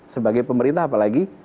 sebagai pemerintah apalagi